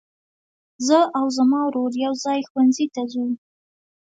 زه او زما ورور يوځای ښوونځي ته ځو.